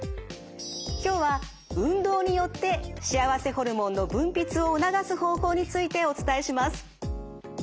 今日は運動によって幸せホルモンの分泌を促す方法についてお伝えします。